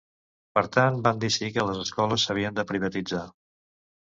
Per tant, van decidir que les escoles s'havien de privatitzar.